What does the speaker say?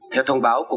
theo thông báo của